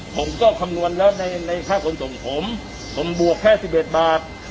ผมก็คำนวณแล้วในในค่าควรส่งผมผมบวกแค่สิบเอ็ดบาท